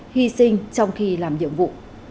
hy sinh trong khi làm nhiệm vụ